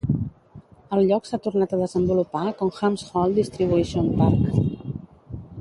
El lloc s'ha tornat a desenvolupar com Hams Hall Distribution Park.